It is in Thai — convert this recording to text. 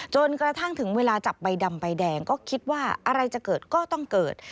จนกระทั่งถึงเวลาจับใบดำใบแดงก็คิดว่าอะไรจะเกิดก็ต้องเกิด